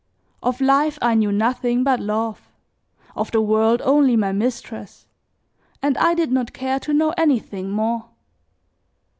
Of life I knew nothing but love, of the world only my mistress, and I did not care to know anything more.